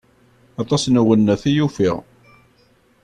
Aṭas n uwennet i ufiɣ.